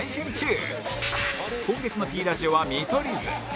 今月の Ｐ ラジオは見取り図